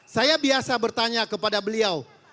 saya biasa bertanya kepada beliau